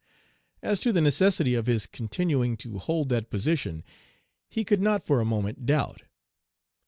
As to the necessity of his continuing to hold that position, he could not for a moment doubt.